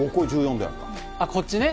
こっちね。